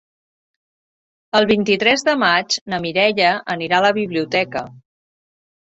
El vint-i-tres de maig na Mireia anirà a la biblioteca.